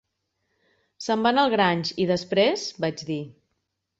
"Se'n van al Grange, i després?" vaig dir.